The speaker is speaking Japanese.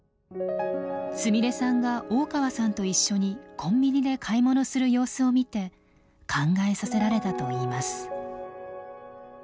すみれさんが大川さんと一緒にコンビニで買い物する様子を見て考えさせられたといいます。